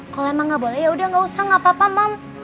kalau emang enggak boleh yaudah enggak usah enggak apa apa moms